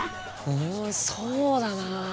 うんそうだな。